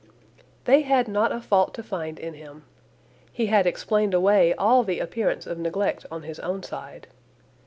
They had not a fault to find in him. He had explained away all the appearance of neglect on his own side.